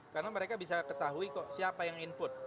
karena mereka bisa ketahui siapa yang input